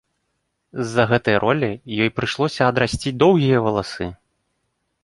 З-за гэтай ролі ёй прыйшлося адрасціць доўгія валасы.